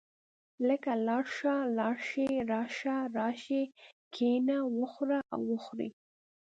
لکه لاړ شه، لاړ شئ، راشه، راشئ، کښېنه، وخوره او وخورئ.